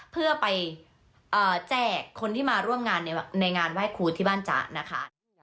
เพื่อไปแจกคนที่มาร่วมงานในงานไหว้ครูที่บ้านจ๊ะนะคะ